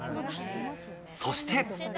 そして。